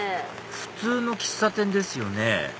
普通の喫茶店ですよね